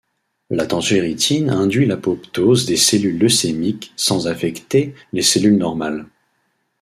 La tangeritine induit l'apoptose des cellules leucémiques sans affecter les cellules normales.